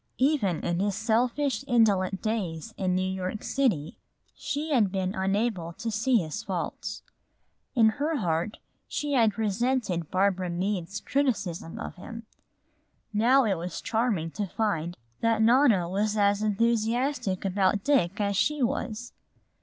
Even in his selfish, indolent days in New York City she had been unable to see his faults. In her heart she had resented Barbara Meade's criticism of him. Now it was charming to find that Nona was as enthusiastic about Dick as she was.